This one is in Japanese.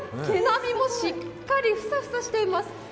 毛並みもしっかりふさふさしています。